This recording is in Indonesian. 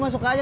emak lu ada